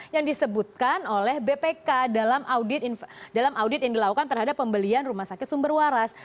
yang disebutkan oleh bpk dalam audit yang dilakukan terhadap pembelian rumah sakit sumber waras